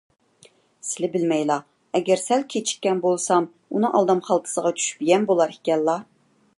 سىلى بىلمەيلا، ئەگەر سەل كېچىككەن بولسام، ئۇنىڭ ئالدام خالتىسىغا چۈشۈپ يەم بولار ئىكەنلا.